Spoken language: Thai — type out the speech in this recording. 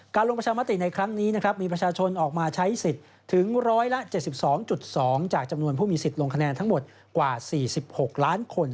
ลงประชามติในครั้งนี้นะครับมีประชาชนออกมาใช้สิทธิ์ถึง๑๗๒๒จากจำนวนผู้มีสิทธิ์ลงคะแนนทั้งหมดกว่า๔๖ล้านคน